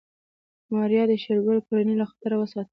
ماريا د شېرګل کورنۍ له خطر وساتله.